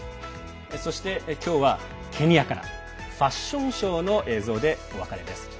そして今日はケニアからファッションショーの映像でお別れです。